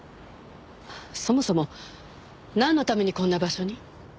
そもそもなんのためにこんな場所に？